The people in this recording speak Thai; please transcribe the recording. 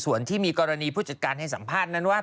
ส่วนที่มีกรณีผู้จัดการให้สัมภาษณ์นั้นว่า